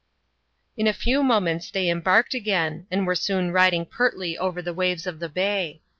In a few moments they embarked again, and were soon riding pertly over the waves of the bay.